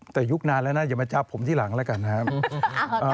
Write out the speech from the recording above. แต่ยุคนานแล้วนะอย่ามาจับผมที่หลังแล้วกันนะครับ